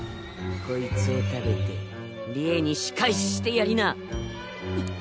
こいつを食べてりえに仕返ししてやりな。